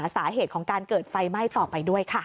สาเหตุของการเกิดไฟไหม้ต่อไปด้วยค่ะ